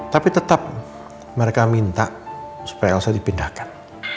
tapi tetap mereka minta supaya saya dipindahkan